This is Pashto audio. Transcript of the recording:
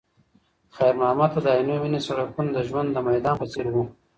خیر محمد ته د عینومېنې سړکونه د ژوند د میدان په څېر وو.